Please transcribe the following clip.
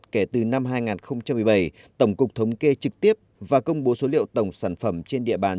kể từ năm hai nghìn một mươi bảy tổng cục thống kê trực tiếp và công bố số liệu tổng sản phẩm trên địa bàn